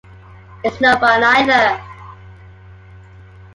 It's no fun either.